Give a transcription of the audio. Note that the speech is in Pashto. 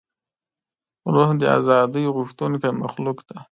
روح د ازادۍ غوښتونکی مخلوق دی.